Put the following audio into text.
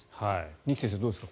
二木先生、どうですか？